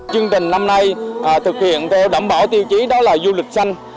chương trình năm nay thực hiện theo đảm bảo tiêu chí đó là du lịch xanh